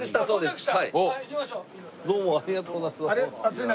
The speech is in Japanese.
暑い中ありがとうございます。